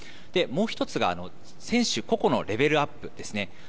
もう１つが選手、個々のレベルアップですね。